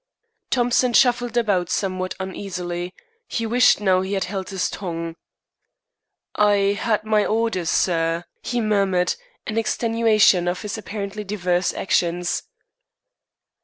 Thompson shuffled about somewhat uneasily. He wished now he had held his tongue. "I had my orders, sir," he murmured, in extenuation of his apparently diverse actions.